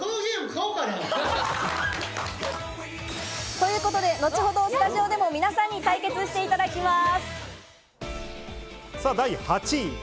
ということで、後ほどスタジオでも皆さんに対決していただきます。